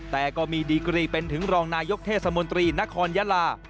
แต่ก็มีดีกรีเป็นถึงรองนายกเทศมนตรีนครยาลา